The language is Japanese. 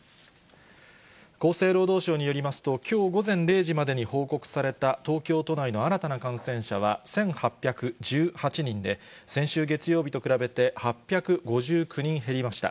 厚生労働省によりますと、きょう午前０時までに報告された東京都内の新たな感染者は１８１８人で、先週月曜日と比べて、８５９人減りました。